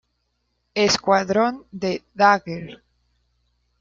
Escuadrón de Dagger.